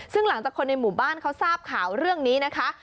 ซึ่งหลังจากคนในหมู่บ้านเขาทราบข่าวเรื่องนี้นะคะ